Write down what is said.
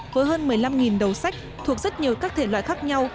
với hơn một mươi năm đầu sách thuộc rất nhiều các thể loại khác nhau